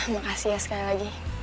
makasih ya sekali lagi